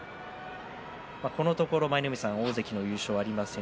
このところ舞の海さん大関の優勝はありません。